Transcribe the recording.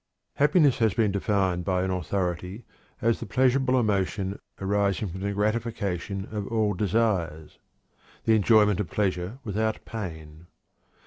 "Happiness" has been defined by an authority as "the pleasurable emotion arising from the gratification of all desires; the enjoyment of pleasure without pain."